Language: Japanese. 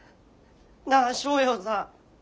なあ翔洋さん。